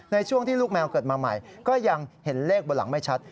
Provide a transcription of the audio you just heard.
ในช่วงที่ลูกแมวเกิดมาใหม่ก็ยังเห็นเลขบนหลังไม่ชัด